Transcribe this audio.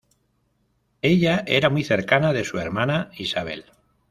Ella era muy cercana de su hermana Isabel.